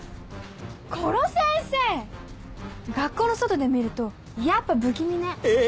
殺せんせー学校の外で見るとやっぱ不気味ねええ？